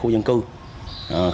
không có người dân cư